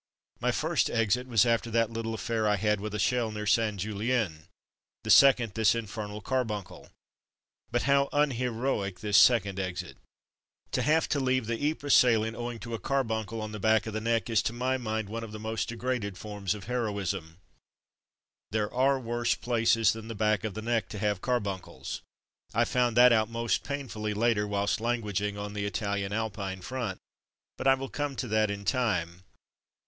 My first exit was after that little aff^air I had with a shell near St. Julien — the second, this infernal car buncle. But how unheroic this second exit! To have to leave the Ypres salient .^ ^^^1 9 Hospital in Bailleul 129 owing to a carbuncle on the back of the neck is to my mind one of the most degraded forms of heroism. There are worse places than the back of the neck to have car buncles. I found that out most pain fully, later, whilst languishing on the Italian alpine front; but I will come to that in time.